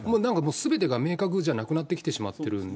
すべてが明確じゃなくなってきてしまってるんで、